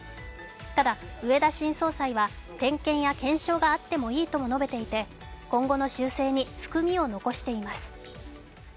ただ、植田新総裁は点検や検証があってもいいとも述べていて今後の修正に含みを残しています。